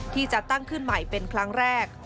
ที่จะตั้งขึ้นใหม่เป็นครั้งแรก